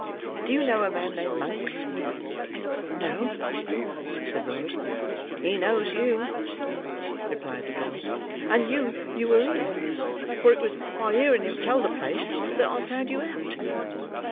Do you know a man named Monks?" "No," said Rose. "He knows you," replied the girl; "and knew you were here, for it was by hearing him tell the place that I found you out."